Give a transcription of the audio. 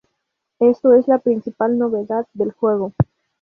Esto es la principal novedad del juego.